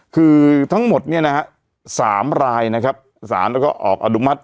คือทั้งหมดเนี่ยนะฮะ๓รายนะครับสารแล้วก็ออกอนุมัติ